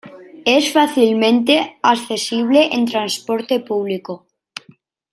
Es fácilmente accesible en transporte público.